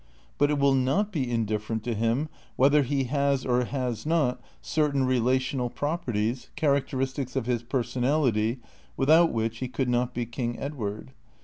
But it will not be indifferent to him whether he has or has not certain relational properties, characteristics of his personality, without which he could not be King Edward.